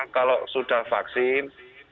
kalau sudah vaksin